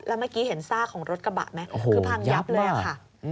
แล้วเมื่อกี้เห็นซากของรถกระบะไหมคือพังยับเลยค่ะ